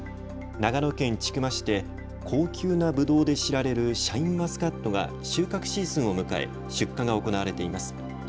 長野県千曲市で高級なぶどうで知られるシャインマスカットが収穫シーズンを迎え、出荷が行われています。